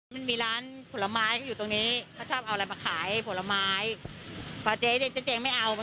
ยังไล่ต่อยตำรวจเหรอตำรวจไม่แย่